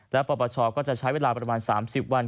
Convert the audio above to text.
และปปชก็จะใช้เวลาประมาณ๓๐วัน